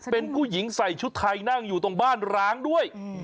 เป็นผู้หญิงใส่ชุดไทยนั่งอยู่ตรงบ้านร้างด้วย